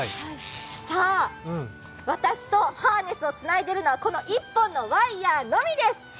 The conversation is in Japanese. さあ、私とハーネスをつないでいるのは、この１本のワイヤーのみです。